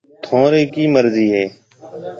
ٿونرِي ڪِي مرضِي هيَ۔